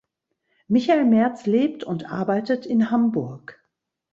Michael Merz lebt und arbeitet in Hamburg.